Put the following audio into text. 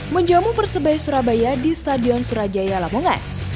menjamu persebaya surabaya di stadion surajaya lamongan